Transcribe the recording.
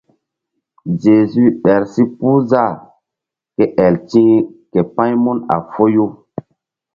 Zezu ɗer si puh zah ke el ti̧h k pa̧ymun a foyu.